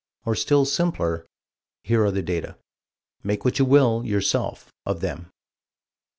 Or still simpler: Here are the data. Make what you will, yourself, of them.